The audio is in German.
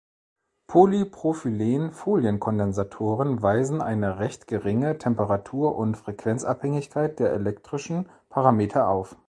Polypropylen-Folienkondensatoren weisen eine recht geringe Temperatur- und Frequenzabhängigkeit der elektrischen Parameter auf.